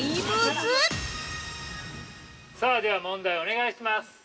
◆さあ、では問題をお願いします。